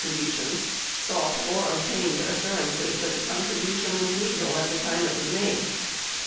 447 tions sought or obtained assurances that the contribution was legal at the time it was made.